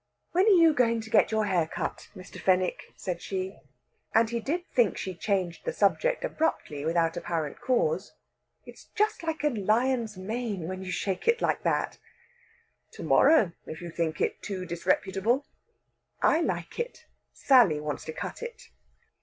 "When are you going to get your hair cut, Mr. Fenwick?" said she; and he did think she changed the subject abruptly, without apparent cause. "It's just like a lion's mane when you shake it like that." "To morrow, if you think it too disreputable." "I like it. Sally wants to cut it...."